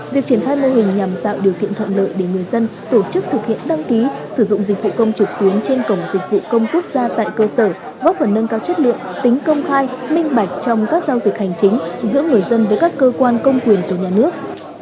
việc triển khai mô hình nhằm tạo điều kiện thuận lợi để người dân tổ chức thực hiện đăng ký sử dụng dịch vụ công trực tuyến trên cổng dịch vụ công quốc gia tại cơ sở góp phần nâng cao chất lượng tính công khai minh bạch trong các giao dịch hành chính giữa người dân với các cơ quan công quyền của nhà nước